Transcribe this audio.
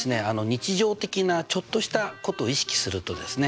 日常的なちょっとしたことを意識するとですね